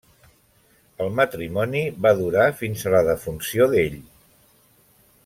El matrimoni va durar fins a la defunció d'ell.